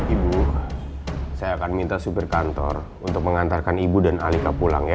ibu saya akan minta supir kantor untuk mengantarkan ibu dan alika pulang ya